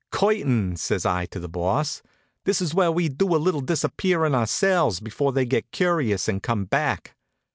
"Curtain!" says I to the Boss. "This is where we do a little disappearing ourselves, before they get curious and come back."